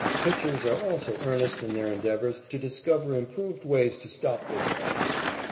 Pitchers are also earnest in their endeavors to discover improved ways to stop base running.